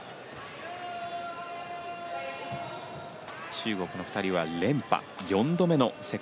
中国の２人は連覇４度目の世界